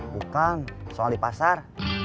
bukan soal di pasar